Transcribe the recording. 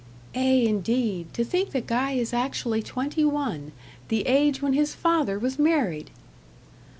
"Ay, indeed. To think that Guy is actually twenty one the age when his father was married!"